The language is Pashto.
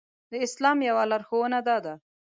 د اسلام يوه لارښوونه دا ده.